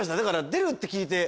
出るって聞いて。